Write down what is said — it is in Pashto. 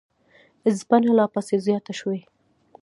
ځپنه لاپسې زیاته شوې